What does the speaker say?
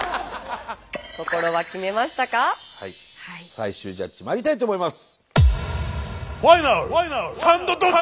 最終ジャッジまいりたいと思います。